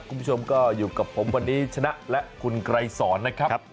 คุณผู้ชมก็อยู่กับผมวันนี้ชนะและคุณไกรสอนนะครับ